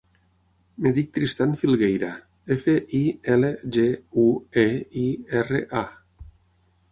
Em dic Tristan Filgueira: efa, i, ela, ge, u, e, i, erra, a.